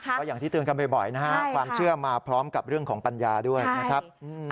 ก็อย่างที่เตือนกันบ่อยนะฮะความเชื่อมาพร้อมกับเรื่องของปัญญาด้วยนะครับ